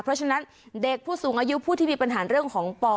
เพราะฉะนั้นเด็กผู้สูงอายุผู้ที่มีปัญหาเรื่องของปอ